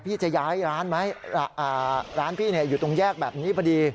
พี่จะย้ายร้านไหมร้านพี่อยู่ตรงแยกแบบนี้พอดี